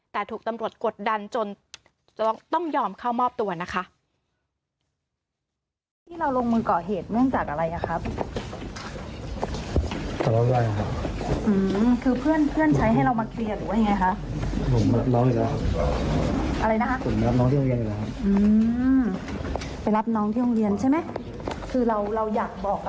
แต่ถูกตำรวจกดดันจนต้องยอมเข้ามอบตัวนะคะ